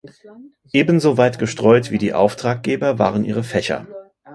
Ebenso weit gestreut wie die Auftraggeber waren ihre Fächer.